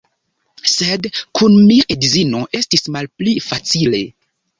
Sed kun mia edzino estis malpli facile.